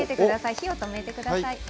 火を止めてください。